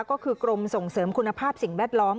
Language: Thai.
ก็คือกรมส่งเสริมคุณภาพสิ่งแวดล้อม